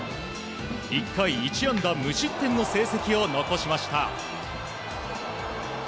１回１安打無失点の成績を残しました。